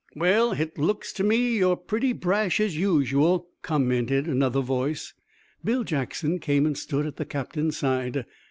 "Well, hit looks to me ye're purty brash as usual," commented another voice. Bill Jackson came and stood at the captain's side.